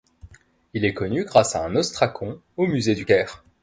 Il est connu grâce à un ostracon au musée du Caire.